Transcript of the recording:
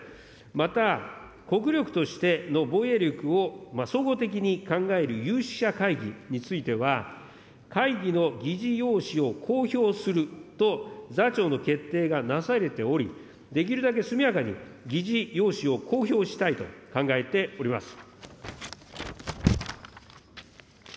また、国力としての防衛力を総合的に考える有識者会議については、会議の議事要旨を公表すると、座長の決定がなされており、できるだけ速やかに議事要旨を公表したいと考えております。